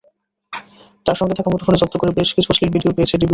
তাঁর সঙ্গে থাকা মুঠোফোন জব্দ করে বেশ কিছু অশ্লীল ভিডিও পেয়েছে ডিবি।